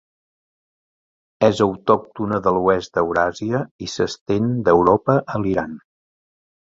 És autòctona de l'oest d'Euràsia i s'estén d'Europa a l'Iran.